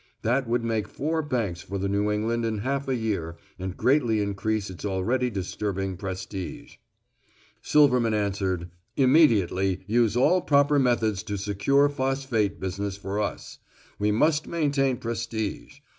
That would make four banks for the New England in half a year and greatly increase its already disturbing prestige. Silverman answered, "Immediately use all proper methods secure Phosphate business for us. We must maintain prestige.